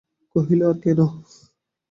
কহিল, আর কেন।